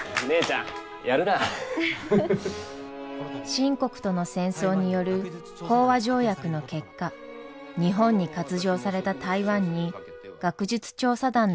清国との戦争による講和条約の結果日本に割譲された台湾に学術調査団の派遣が決まり。